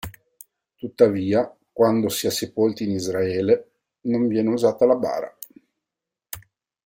Tuttavia, quando si è sepolti in Israele, non viene usata la bara.